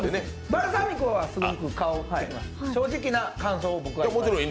バルサミコはすごく香ってます、正直な感想を、僕は。